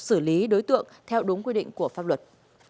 xử lý đối tượng theo đúng quy định của pháp luật